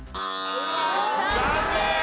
残念！